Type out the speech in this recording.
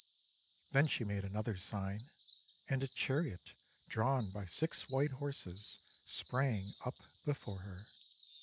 Then she made another sign, and a chariot drawn by six white Horses sprang up before her.